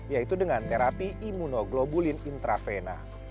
yaitu dengan terapi imunoglobulin intravena